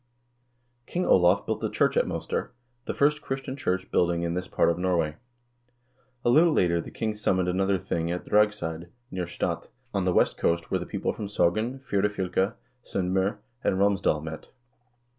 King Olav built a church at Moster, the first Christian church build ing in this part of Norway.2 A little later the king summoned an other thing at Dragseid, near Stadt, on the west coast, where the people from Sogn, Firdafylke, S0ndm0r, and Romsdal met.